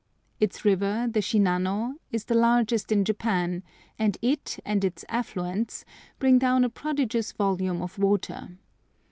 Its river, the Shinano, is the largest in Japan, and it and its affluents bring down a prodigious volume of water.